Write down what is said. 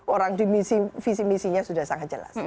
orang di misi misinya sudah sangat jelas